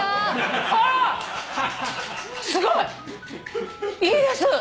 あっすごい！いいです！